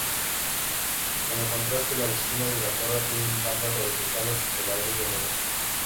Como contraste las esquinas de la torre tienen bandas horizontales de ladrillo negro.